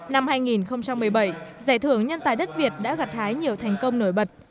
năm hai nghìn một mươi bảy giải thưởng nhân tài đất việt đã gặt hái nhiều thành công nổi bật